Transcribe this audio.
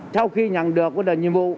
sau khi nhận được cái là nhiệm vụ